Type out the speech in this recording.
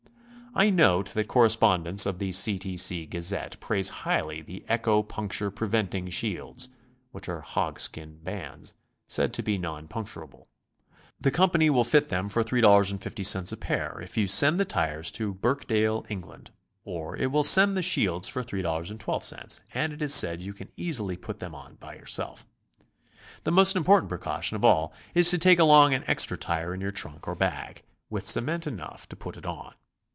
I note that correspondents of the C. T. C. Gazette praise highly the Echo Puncture Preventing Shields, which are hog skin bands, said to be non puncturable. The company will fit them for $3.50 a pair if you send the tires to Birkdale, Eng., or it will send the shields for $3.12, and it is said you can easily put them on by yourself. The most im portant precaution of all is to take along an extra tire in your trunk or bag, with cement enough to put it on.